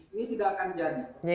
ini tidak akan jadi